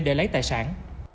để lấy tài sản